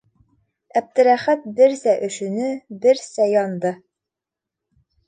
Әптеләхәт берсә өшөнө, берсә янды.